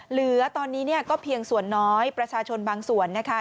เหลือตอนนี้เนี่ยก็เพียงส่วนน้อยประชาชนบางส่วนนะคะ